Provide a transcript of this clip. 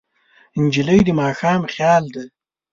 نجلۍ د ماښام خیال ده.